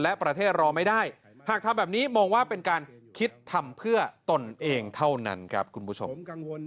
และประเทศรอไม่ได้หากทำแบบนี้มองว่าเป็นการคิดทำเพื่อตนเองเท่านั้นครับคุณผู้ชม